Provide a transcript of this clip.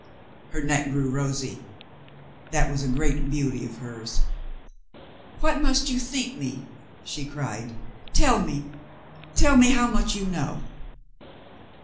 Her neck grew rosy (that was a great beauty of hers), "What must you think me?" she cried. "Tell me, tell me how much you know."